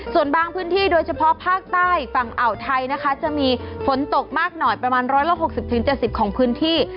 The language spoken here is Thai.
ส่วนบางพื้นที่โดยเฉพาะภาคใต้ฝั่งอ่าวไทยนะคะจะมีฝนตกมากหน่อยประมาณ๑๖๐๗๐ของพื้นที่